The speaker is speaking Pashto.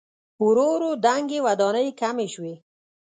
ورو ورو دنګې ودانۍ کمې شوې.